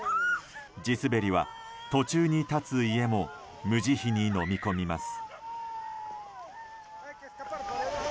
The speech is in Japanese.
地滑りは途中に立つ家も無慈悲にのみ込みます。